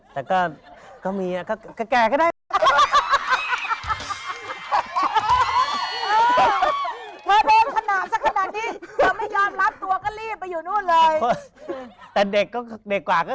แล้วมีความคิดนะพี่แจงก็เปิดลับอยู่